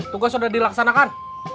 tugas sudah dilaksanakan